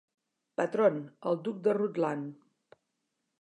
Patron, el duc de Rutland.